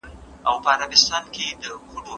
زه به سبا ونې ته اوبه ورکوم!